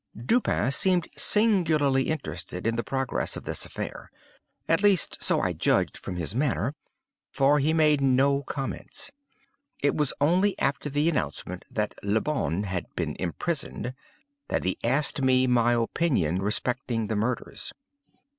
Dupin seemed singularly interested in the progress of this affair—at least so I judged from his manner, for he made no comments. It was only after the announcement that Le Bon had been imprisoned, that he asked me my opinion respecting the murders.